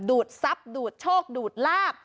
ดูดซับดูดโชคดูดลาบ